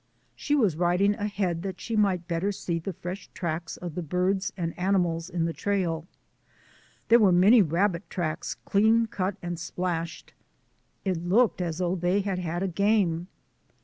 She was riding ahead that she might better see the fresh tracks of the birds and animals in the trail. There were many rabbit tracks clean cut and splashed. It looked as though they had had a game.